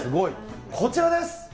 こちらです。